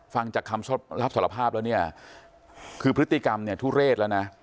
ฟังจากคำรับสารภาพแล้วเนี่ยคือพฤติกรรมเนี่ยทุเรศแล้วนะ